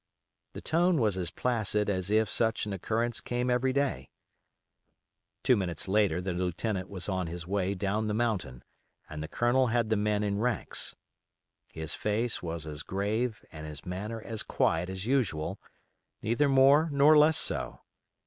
The tone was as placid as if such an occurrence came every day. Two minutes later the lieutenant was on his way down the mountain and the Colonel had the men in ranks. His face was as grave and his manner as quiet as usual, neither more nor less so.